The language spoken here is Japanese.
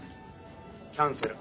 キャンセル。